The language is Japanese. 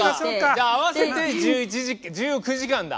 じゃあ合わせて１９時間だ。